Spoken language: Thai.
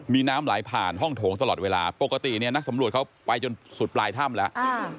มีน้ำไหลผ่านห้องโถงตลอดเวลาปกติเนี่ยนักสำรวจเขาไปจนสุดปลายถ้ำแล้ว